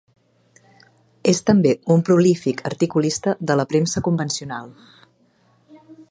És també un prolífic articulista de la premsa convencional.